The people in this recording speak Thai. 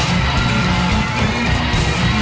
ท้ายต้าย